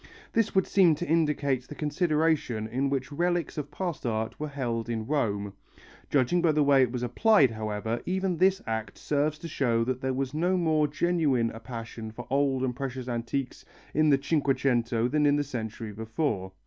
This would seem to indicate the consideration in which relics of past art were held in Rome. Judging by the way it was applied, however, even this act serves to show that there was no more genuine a passion for old and precious antiques in the Cinquecento than in the century before.